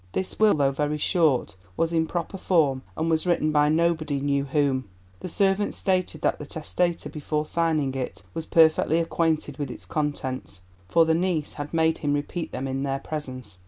This will, though very short, was in proper form and was written by nobody knew whom. The servants stated that the testator before signing it was perfectly acquainted with its contents, for the niece had made him repeat them in their presence.